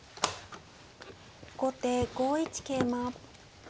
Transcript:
後手５一桂馬。